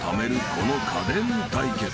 この家電対決］